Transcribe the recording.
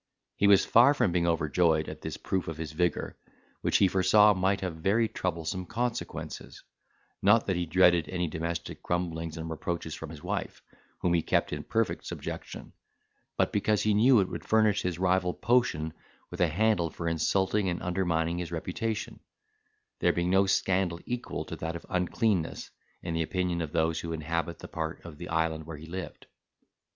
He was far from being overjoyed at this proof of his vigour, which he foresaw might have very troublesome consequences; not that he dreaded any domestic grumblings and reproaches from his wife, whom he kept in perfect subjection; but because he knew it would furnish his rival Potion with a handle for insulting and undermining his reputation, there being no scandal equal to that of uncleanness, in the opinion of those who inhabit the part of the island where he lived.